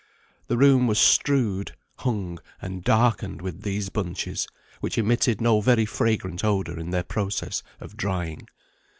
The room was strewed, hung, and darkened with these bunches, which emitted no very fragrant odour in their process of drying.